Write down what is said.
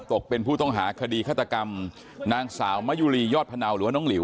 ตกเป็นผู้ต้องหาคดีฆาตกรรมนางสาวมะยุรียอดพะเนาหรือว่าน้องหลิว